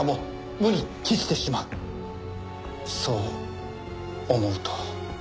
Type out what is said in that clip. そう思うと。